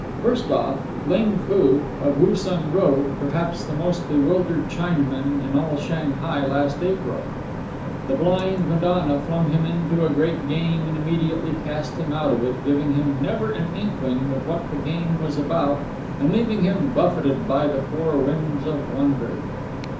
First off, Ling Foo, of Woosung Road, perhaps the most bewildered Chinaman in all Shanghai last April. The Blind Madonna flung him into a great game and immediately cast him out of it, giving him never an inkling of what the game was about and leaving him buffeted by the four winds of wonder.